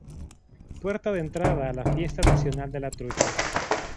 Puerta de entrada a La Fiesta Nacional de la Trucha.